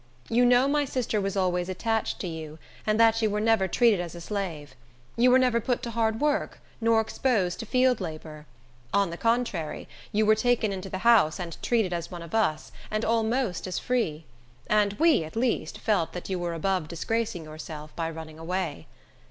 You know my sister was always attached to you, and that you were never treated as a slave. You were never put to hard work, nor exposed to field labor. On the contrary, you were taken into the house, and treated as one of us, and almost as free; and we, at least, felt that you were above disgracing yourself by running away.